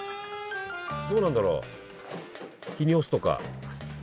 どうなんだろう日に干すとか。